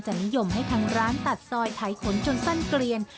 นิยมให้ทางร้านตัดซอยไถขนจนสั้นเกลียน